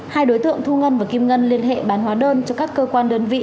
hai đối tượng thu ngân và kim ngân liên hệ bán hóa đơn cho các cơ quan đơn vị